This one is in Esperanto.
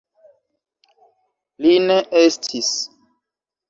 Li ne estis.